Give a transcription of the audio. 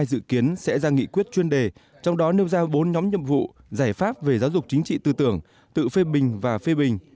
dự kiến sẽ ra nghị quyết chuyên đề trong đó nêu ra bốn nhóm nhiệm vụ giải pháp về giáo dục chính trị tư tưởng tự phê bình và phê bình